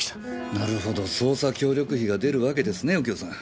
なるほど捜査協力費が出るわけですね右京さん。